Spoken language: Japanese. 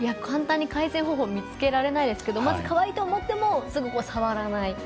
簡単に改善方法は見つけられないですけどかわいいと思ってもすぐ触らない。